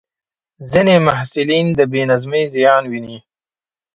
ځینې محصلین د بې نظمۍ زیان ویني.